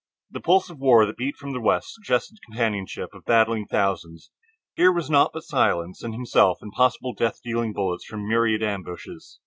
The pulse of war that beat from the West suggested the companionship of battling thousands; here was naught but silence, and himself, and possible death dealing bullets from a myriad ambushes.